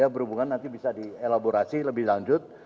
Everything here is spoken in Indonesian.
berhubungan nanti bisa dielaborasi lebih lanjut